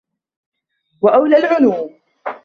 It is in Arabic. وَأَوْلَى الْعُلُومِ